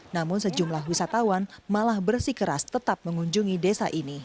namun sejumlah wisatawan malah bersikeras tetap mengunjungi desa ini